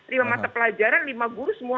lima mata pelajaran lima guru semua